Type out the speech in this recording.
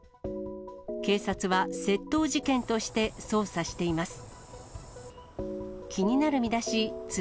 警察は窃盗事件として捜査しています。